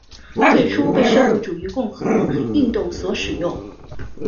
最初被社会主义共和运动所使用。